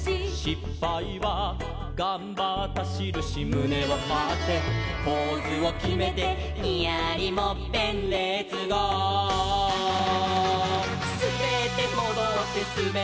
「しっぱいはがんばったしるし」「むねをはってポーズをきめて」「ニヤリもっぺんレッツゴー！」「すべってもどってすべってもどって」